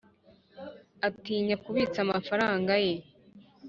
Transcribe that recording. Atinya kubitsa amafaranga ye